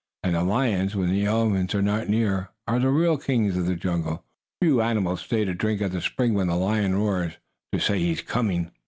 And the lions, when the elephants are not near, are the real kings of the jungle. Few animals stay to drink at the spring when the lion roars, to say he is coming.